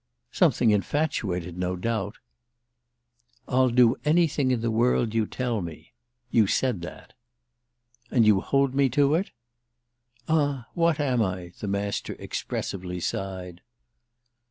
"Something infatuated, no doubt!" "'I'll do anything in the world you tell me.' You said that." "And you hold me to it?" "Ah what am I?" the Master expressively sighed.